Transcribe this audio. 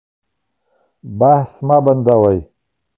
بحث مه بندوئ.